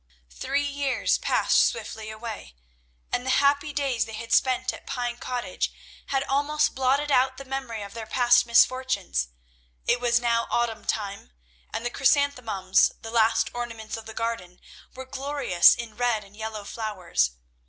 Three years passed swiftly away, and the happy days they had spent at Pine Cottage had almost blotted out the memory of their past misfortunes. It was now autumn time, and the chrysanthemums, the last ornaments of the garden, were glorious in red and yellow flowers.